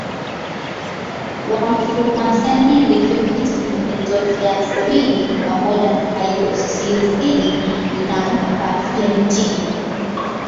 wa flumazenili pingiti vya benzodiazepini pamoja na haidrosizini na gabapentini